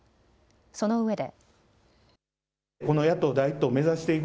そのうえで。